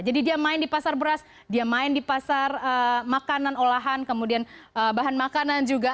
jadi dia main di pasar beras dia main di pasar makanan olahan kemudian bahan makanan juga